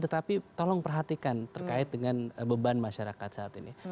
tetapi tolong perhatikan terkait dengan beban masyarakat saat ini